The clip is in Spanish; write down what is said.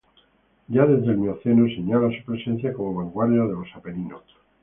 Ya desde el mioceno señala su presencia como vanguardia de los Apeninos.